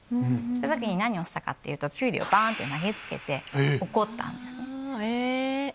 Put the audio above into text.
その時に何をしたかっていうときゅうりをバンって投げ付けて怒ったんですね。